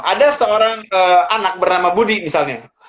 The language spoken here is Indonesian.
ada seorang anak bernama budi misalnya